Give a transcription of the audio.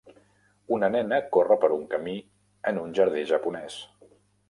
Una nena corre per un camí en un jardí japonès